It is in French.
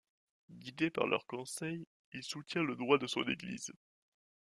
Guidé par leurs conseils, il soutient les droits de son église.